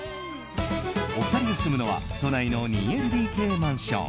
お二人が住むのは都内の２ＬＤＫマンション。